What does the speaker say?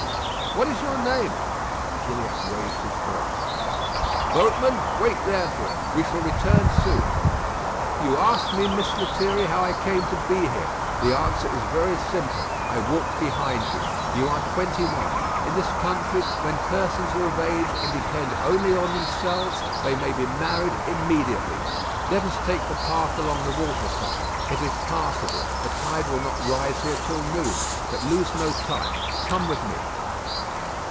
"What is your name?" Gilliatt raised his voice: "Boatman! wait there for us. We shall return soon. You asked me, Miss Lethierry, how I came to be here. The answer is very simple. I walked behind you. You are twenty one. In this country, when persons are of age, and depend only on themselves, they may be married immediately. Let us take the path along the water side. It is passable; the tide will not rise here till noon. But lose no time. Come with me."